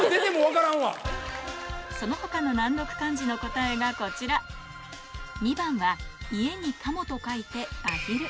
その他の難読漢字の答えがこちら２番は「家」に「鴨」と書いてアヒル